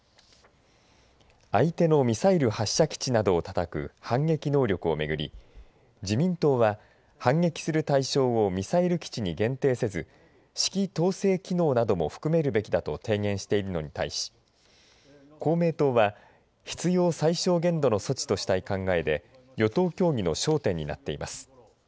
相手のミサイル発射基地などをたたく反撃能力を巡り、自民党は反撃する対象をミサイル基地に限定せず指揮統制機能なども含めるべきだと提言しているのに対し公明党は、必要最小限度の措置としたい考えで与党協議の焦点になっています。